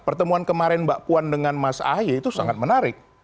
pertemuan kemarin mbak puan dengan mas ahaye itu sangat menarik